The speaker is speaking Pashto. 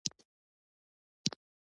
نړۍ نفوس درې چنده زيات شوی.